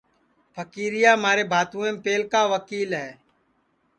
پھکیریا مھارے بھاتوئیم پہلکا وکیل ہے